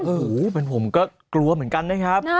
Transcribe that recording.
โอ้โหเป็นผมก็กลัวเหมือนกันนะครับ